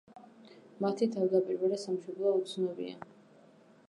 მათი თავდაპირველი სამშობლო უცნობია.